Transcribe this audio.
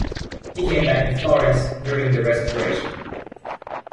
He came back in Florence during the Restoration.